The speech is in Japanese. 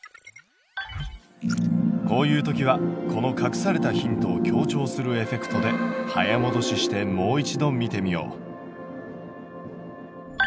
こういう時はこの隠されたヒントを強調するエフェクトで早もどししてもう一度見てみよう。